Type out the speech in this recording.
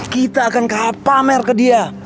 kita akan ke pamer ke dia